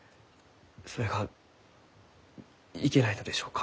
それがいけないのでしょうか？